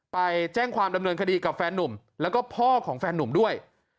ไปแจ้งความดำเนินคดีกับแฟนนุ่มแล้วก็พ่อของแฟนนุ่มด้วย